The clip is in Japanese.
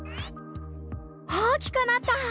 大きくなった！